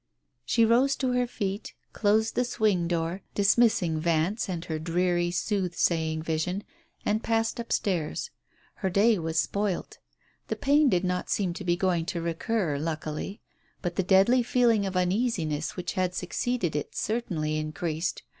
She rose to her feet, closed the swing door, dismissing Vance and her dreary soothsaying vision, and passed upstairs. Her day was spoilt. The pain did not seem to be going to recur, luckily, but the deadly feeling of uneasiness which had succeeded it certainly increased.